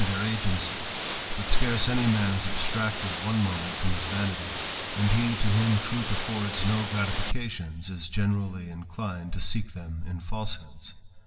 their agency ; but scarce any man is abstracted one moment from his vanity ; and he, to whom truth affords no fications, is generally inclined to seek them in falsehoods.